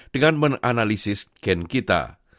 dengan menganalisis gen kita